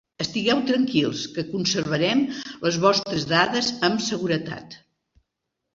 Estigueu tranquils que conservarem les vostres dades amb seguretat.